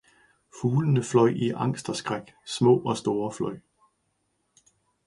Fuglene fløj i angst og skræk, små og store fløj!